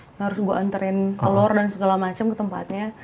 yang harus gue anterin telor dan segala macem ke tempatnya